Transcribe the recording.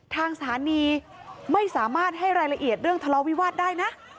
ทางสถานีไม่สามารถให้รายละเอียดเรื่องทะเลาวิวาสได้นะ